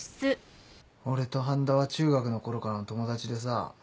俺と半田は中学のころからの友達でさ。